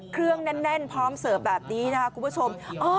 เครื่องแน่นพร้อมเสิร์ฟแบบนี้นะครับคุณผู้ชม